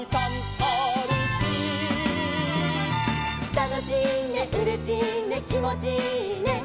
「たのしいねうれしいねきもちいいね」